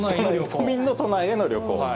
都民の都内への旅行。